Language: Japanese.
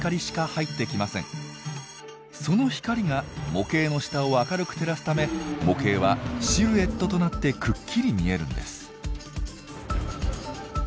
その光が模型の下を明るく照らすため模型はシルエットとなってくっきり見えるんです。